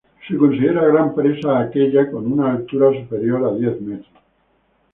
Se considera gran presa a aquella con una altura superior a diez metros.